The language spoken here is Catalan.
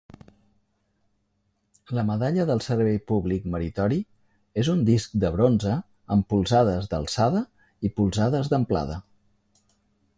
La Medalla del servei públic meritori és un disc de bronze amb polzades d'alçada i polzades d'amplada.